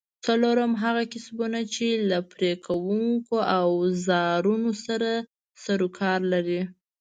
څلورم: هغه کسبونه چې له پرې کوونکو اوزارونو سره سرو کار لري؟